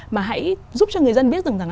mà hãy giúp cho người dân biết rằng là